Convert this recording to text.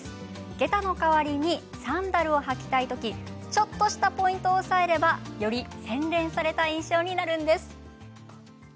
げたの代わりにサンダルを履きたい時ちょっとしたポイントを押さえればより洗練された印象になるんです。